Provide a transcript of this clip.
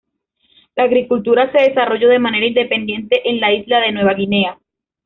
La agricultura se desarrolló de manera independiente en la isla de Nueva Guinea.